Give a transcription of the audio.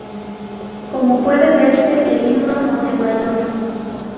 Como puede verse en el libro "Montemayor.